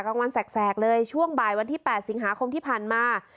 กลางวันแสกเลยช่วงบ่ายวันที่๘สิงหาคมที่ผ่านมา